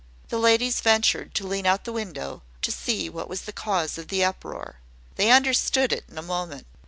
The ladies ventured to lean out of the window, to see what was the cause of the uproar. They understood it in a moment.